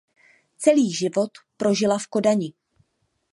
Celý život prožili v Kodani.